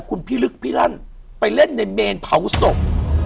คุณพี่ลึกพี่ลั่นไปเล่นในเมนเผาศพ